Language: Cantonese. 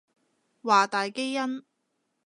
華大基因